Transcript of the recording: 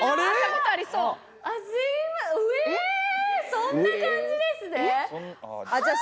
そんな感じですね。